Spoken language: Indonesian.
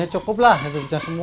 ini cukup lah bisa semua gitu